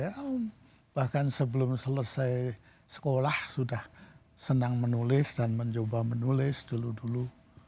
ya bahkan sebelum selesai sekolah sudah senang menulis dan mencoba menulis dulu dulu